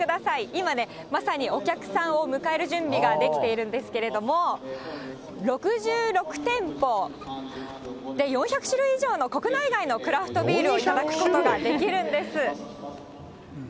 今ね、まさにお客さんを迎える準備ができているんですけれども、６６店舗、で、４００種類以上の国内外のクラフトビールを頂くことができるんです。